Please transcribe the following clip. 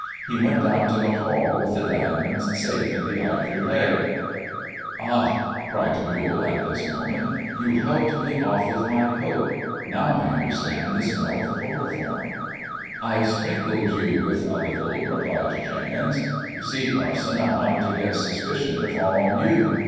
He went down to the hall with th« diamonds safe hia ivopy leg." ^^^ "Ah!" cried Newall at this moment, "yon helped me f with my coat. Now I understand the amell of chloro 862 THE IVOBT LEO AND THE DIAMONDS «I sprinkled you with a little," replied Jenkins. ''You see, parson, I wanted to get suspicion to fall on you.